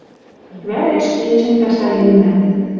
Иквӓреш кечӹнь пӓшӓленнӓ